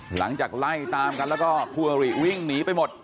หลังจากไล่ตามกันแล้วก็คู่อริวิ่งหนีไปหมด